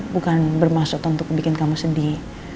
bukan bermaksud untuk bikin kamu sedih